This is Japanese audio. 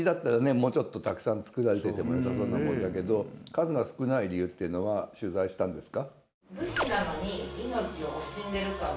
もうちょっとたくさん作られていてもよさそうなもんだけど数が少ない理由っていうのは取材したんですか？